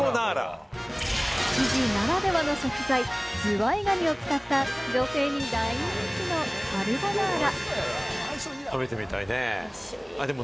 築地ならではの食材、ズワイガニを使った女性に大人気のカルボナーラ。